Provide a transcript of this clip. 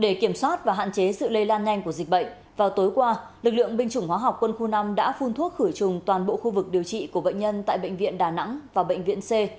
để kiểm soát và hạn chế sự lây lan nhanh của dịch bệnh vào tối qua lực lượng binh chủng hóa học quân khu năm đã phun thuốc khử trùng toàn bộ khu vực điều trị của bệnh nhân tại bệnh viện đà nẵng và bệnh viện c